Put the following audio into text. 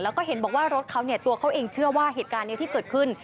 แล้วก็เห็นบอกว่ารถเขาเนี่ยตัวเขาเองเชื่อว่าเหตุการณ์นี้ที่เกิดขึ้น